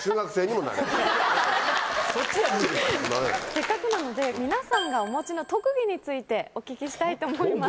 せっかくなので皆さんがお持ちの特技についてお聞きしたいと思います。